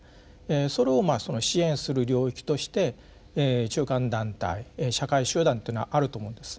それを支援する領域として中間団体社会集団というのはあると思うんです。